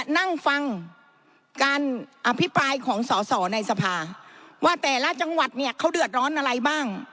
นั่งฟังการอภิปรายของสอสอในสภาว่าแต่ละจังหวัดเนี่ยเขาเดือดร้อนอะไรบ้าง